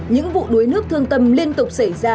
những vụ đuối nước thương tâm liên tục xảy ra